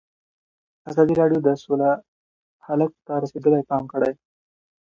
ازادي راډیو د سوله حالت ته رسېدلي پام کړی.